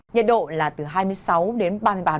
nhiệt độ là từ hai mươi sáu đến ba mươi năm